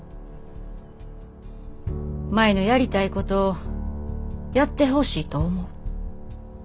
舞のやりたいことやってほしいと思う。